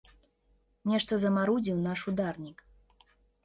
Нешта замарудзіў наш ударнік.